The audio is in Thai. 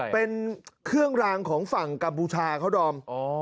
เป็นเครื่องรางของฝั่งกัมพูชาเขาดอม